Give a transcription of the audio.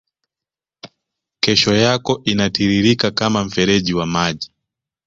kesho yako inatiririka kama mfereji wa maji